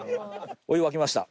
お湯沸きました。